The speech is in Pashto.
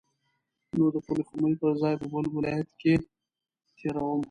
نو د پلخمري پر ځای به بل ولایت کې تیروم.